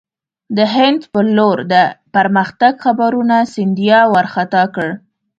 د هند پر لور د پرمختګ خبرونو سیندیا وارخطا کړ.